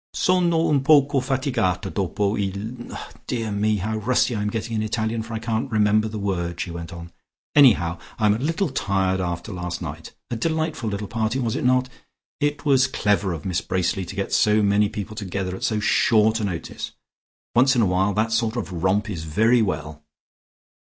"Sono un poco fatigata dopo il dear me how rusty I am getting in Italian for I can't remember the word," she went on. "Anyhow I am a little tired after last night. A delightful little party, was it not? It was clever of Miss Bracely to get so many people together at so short a notice. Once in a while that sort of romp is very well."